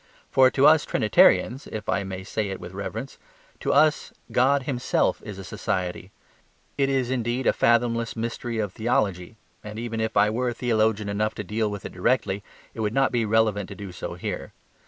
For to us Trinitarians (if I may say it with reverence) to us God Himself is a society. It is indeed a fathomless mystery of theology, and even if I were theologian enough to deal with it directly, it would not be relevant to do so here.